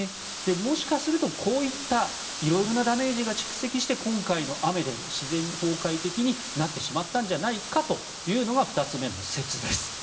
もしかすると、こういったいろいろなダメージが蓄積して今回の雨で自然崩壊的になってしまったんじゃないかというのが２つ目の説です。